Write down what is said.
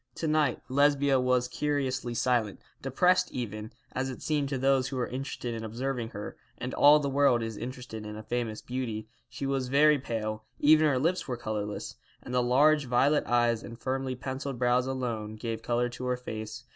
To night Lesbia was curiously silent, depressed even, as it seemed to those who were interested in observing her; and all the world is interested in a famous beauty. She was very pale, even her lips were colourless, and the large violet eyes and firmly pencilled brows alone gave colour to her face.